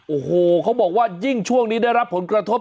โอ้โหเขาบอกว่ายิ่งช่วงนี้ได้รับผลกระทบ